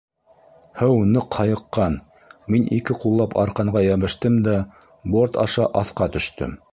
Һыу ныҡ һайыҡҡан, мин ике ҡуллап арҡанға йәбештем дә борт аша аҫҡа төштөм.